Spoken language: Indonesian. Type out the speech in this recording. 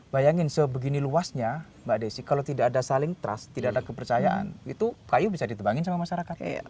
bayangin sebegini luasnya mbak desi kalau tidak ada saling trust tidak ada kepercayaan itu kayu bisa ditebangin sama masyarakat